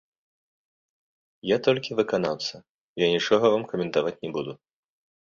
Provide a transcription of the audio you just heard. Я толькі выканаўца, я нічога вам каментаваць не буду.